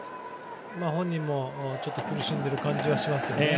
本人もちょっと苦しんでいる感じがしますね。